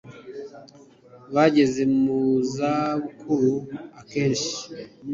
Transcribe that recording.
bageze muza bukuru akenshi